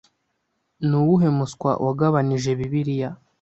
Ni uwuhe muswa wagabanije Bibiliya? ”